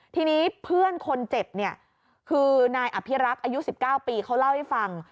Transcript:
ทีนี้เพื่อนคนเจ็บเนี่ยคือนายอภิรักษ์อายุ๑๙ปีเขาเล่าให้ฟัง